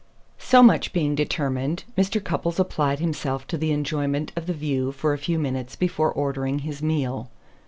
So much being determined, Mr. Cupples applied himself to the enjoyment of the view for a few minutes before ordering his meal.